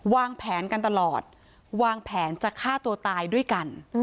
วางแผนกันตลอดวางแผนจะฆ่าตัวตายด้วยกัน